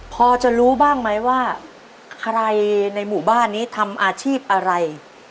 พอจะรู้บ้างไหมว่าใครในหมู่บ้านนี้ทำอาชีพอะไร